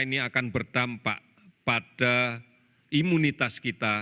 ini akan berdampak pada imunitas kita